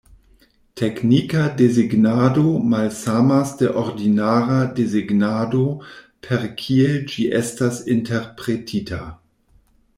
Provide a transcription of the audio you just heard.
Teknika desegnado malsamas de ordinara desegnado per kiel ĝi estas interpretita.